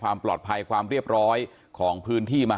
ทางรองศาสตร์อาจารย์ดรอคเตอร์อัตภสิตทานแก้วผู้ชายคนนี้นะครับ